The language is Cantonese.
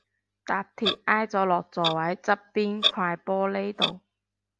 搭鐵挨咗落座位側邊塊玻璃度